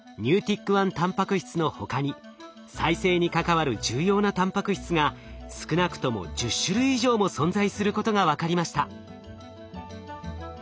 たんぱく質の他に再生に関わる重要なたんぱく質が少なくとも１０種類以上も存在することが分かりました。